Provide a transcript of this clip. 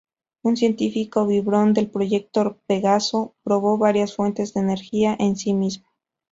Un científico bribón del Proyecto Pegaso probó varias fuentes de energía en sí mismo.